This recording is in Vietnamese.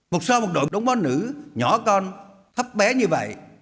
một sao một đội đống bó nữ nhỏ con thấp bé như vậy